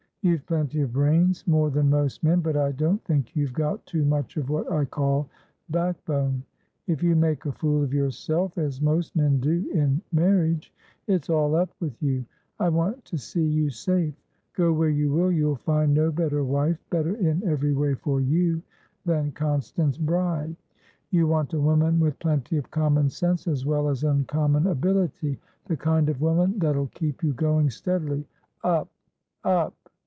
You've plenty of brains, more than most men, but I don't think you've got too much of what I call backbone. If you make a fool of yourselfas most men doin marriage, it's all up with you. I want to see you safe. Go where you will, you'll find no better wife, better in every way for you, than Constance Bride. You want a woman with plenty of common sense as well as uncommon ability; the kind of woman that'll keep you going steadilyupup!